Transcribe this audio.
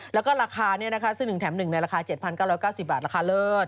แล้วก็ราคานี้นะคะซึ่ง๑แถม๑ในราคา๗๙๙๐บาทราคาเลิศ